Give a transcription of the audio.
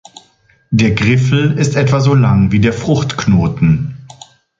Der Griffel ist etwa so lang wie der Fruchtknoten.